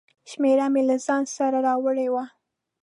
شمېره مې له ځانه سره راوړې وه.